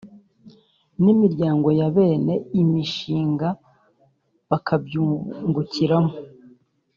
n’imiryango ya bene imishinga bakabyungukiramo”